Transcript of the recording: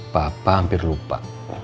papa hampir lupa